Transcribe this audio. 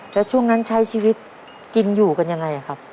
แล้วช่วงนั้นใช้ชีวิตกินอยู่กันยังไงครับ